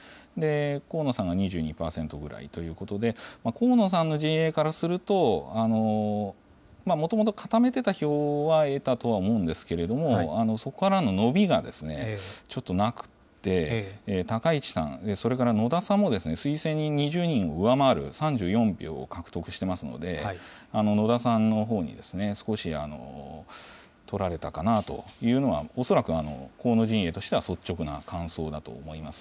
河野さんが２２％ぐらいということで、河野さんの陣営からすると、もともと固めてた票は得たとは思うんですけれども、そこからの伸びが、ちょっとなくて、高市さん、それから野田さんも、推薦人２０人を上回る３４票を獲得してますので、野田さんのほうに少し取られたかなというのは、恐らく河野陣営としては、率直な感想だと思います。